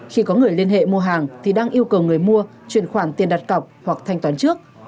khi có người liên hệ mua hàng thì đang yêu cầu người mua chuyển khoản tiền đặt cọc hoặc thanh toán trước